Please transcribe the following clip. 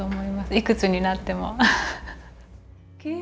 いくつになっても。